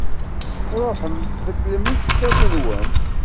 Ṛuḥem beddlem iceṭṭiḍen-nwen.